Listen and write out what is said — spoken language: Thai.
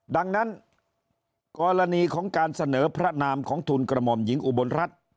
ดังนั้นกรณีของการเสนอพระนามของทุนกระหม่อมหญิงอุบลรัฐ